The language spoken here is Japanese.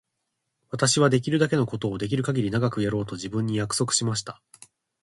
私はできるだけのことをできるかぎり長くやろうと自分に約束しました。